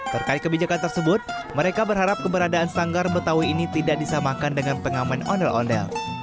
terkait kebijakan tersebut mereka berharap keberadaan sanggar betawi ini tidak disamakan dengan pengamen ondel ondel